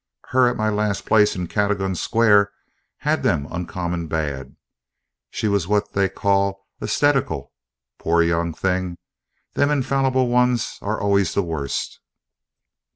Her at my last place in Cadogan Square had them uncommon bad. She was what they call æsthetical, pore young thing. Them infallible ones are always the worst."